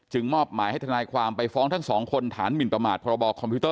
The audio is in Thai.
จึงมอบหมายให้ทนายความไปฟ้องทั้ง๒คนฐานหมินประมาทพบ